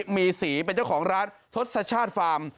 มีสีเป็นเจ้าของร้านทศชาติฟาร์ม